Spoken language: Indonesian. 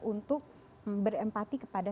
untuk berempati kepada